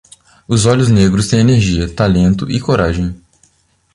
Os olhos negros têm energia, talento e coragem.